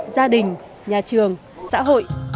gia đình nhà trường xã hội